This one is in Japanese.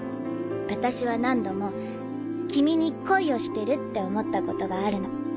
私は何度も君に恋をしてるって思ったことがあるの。